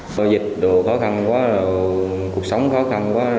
bởi dịch đồ khó khăn quá cuộc sống khó khăn quá